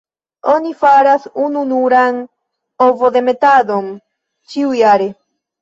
Oni faras ununuran ovodemetadon ĉiujare.